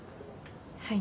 はい。